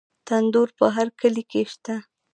تندور په هر کلي کې شته.